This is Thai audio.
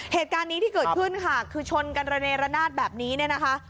เหตุการณ์นี้ที่เกิดขึ้นค่ะคือชนกันระเนระนาดแบบนี้เนี่ยนะคะ